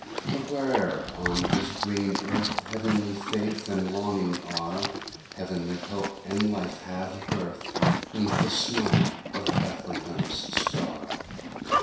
"But where'er on His green earth Heavenly faith and longing are, Heavenly hope and life have birth, 'Neath the smile of Bethlehem's star.